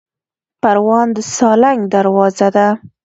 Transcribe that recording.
پروان د سالنګ دروازه ده